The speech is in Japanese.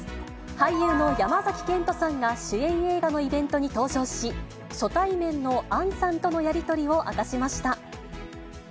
俳優の山崎賢人さんが主演映画のイベントに登場し、初対面の杏さんとのやり取りを明かしました。